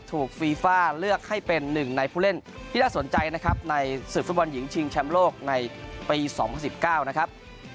ฟีฟ่าเลือกให้เป็นหนึ่งในผู้เล่นที่น่าสนใจนะครับในศึกฟุตบอลหญิงชิงแชมป์โลกในปี๒๐๑๙นะครับ